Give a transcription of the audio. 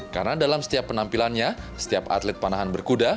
karena dalam setiap penampilannya setiap atlet panahan berkuda